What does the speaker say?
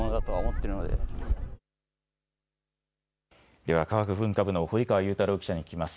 では科学文化部の堀川雄太郎記者に聞きます。